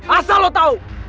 asal lo tau